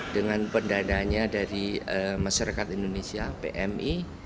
dengan pendananya dari masyarakat indonesia pmi